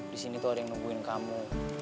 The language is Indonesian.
di sini tuh ada yang nungguin kamu